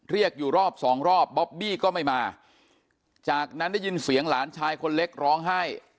เรียกอยู่รอบสองรอบบ๊อบบี้ก็ไม่มาจากนั้นได้ยินเสียงหลานชายคนเล็กร้องไห้